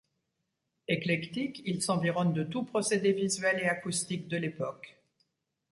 Eclectique, il s’environne de tous procédés visuel et acoustique de l’époque.